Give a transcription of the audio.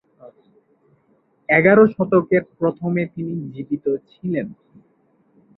এগার শতকের প্রথমে তিনি জীবিত ছিলেন।